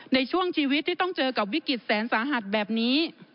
ในช่วงชีวิตที่ต้องเจอกับวิกฤตแสนสาหัสแบบนี้